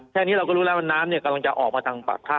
แค่นี้เราก็รู้แล้วว่าน้ำกำลังจะออกมาทางปากถ้ำ